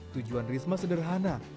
tujuan risma sederhana